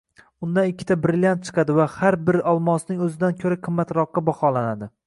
Undan ikkita brilliant chiqadi va har biri olmosning oʻzidan koʻra qimmatroqqa baholanadi